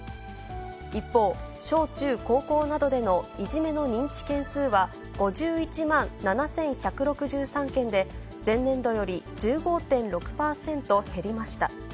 一方、小中高校などでのいじめの認知件数は５１万７１６３件で、前年度より１５．６％減りました。